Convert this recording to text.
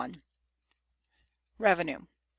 REVENUE.